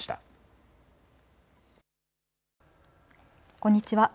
こんにちは。